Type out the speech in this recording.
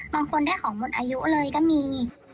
บางคนได้ของหมดอายุเลยก็มี